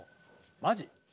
マジ？」